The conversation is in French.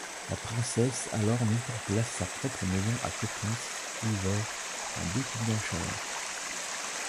La Princesse alors mis en place sa propre maison à Coppins, Iver, en Buckinghamshire.